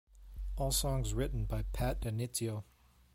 All songs written by Pat DiNizio.